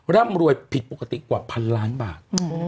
ร่ำรวยผิดปกติกว่าพันล้านบาท